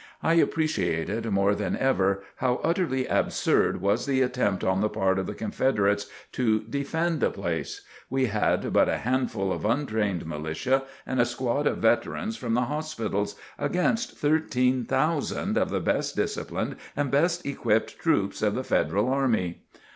I appreciated more than ever how utterly absurd was the attempt on the part of the Confederates to defend the place! We had but a handful of untrained militia and a squad of veterans from the hospitals, against 13,000 of the best disciplined and best equipped troops of the Federal army!